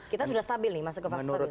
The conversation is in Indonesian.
kita sudah stabil nih masuk ke fase tiga